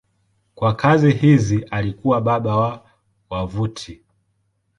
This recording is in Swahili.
Kwa kazi hizi alikuwa baba wa wavuti.